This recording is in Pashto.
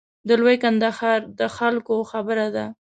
د لوی کندهار د خلکو خبره ده.